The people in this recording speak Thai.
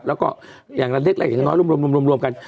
แล้วก็อย่างนั้นเล็กอย่างน้อยรวมรวมกัน